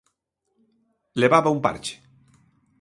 Levaba un parche.